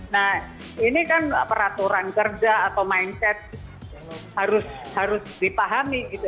nah ini kan peraturan kerja atau mindset harus dipahami gitu